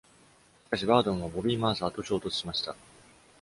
しかし、バードンはボビー・マーサーと衝突しました。